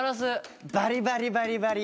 バリバリバリバリ。